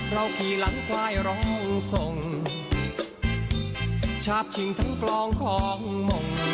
ขี่หลังควายร้องส่งชอบชิงทั้งกลองของมง